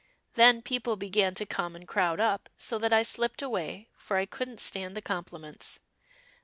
Then people began to come and crowd up, so that I slipped away for I couldn't stand the compliments.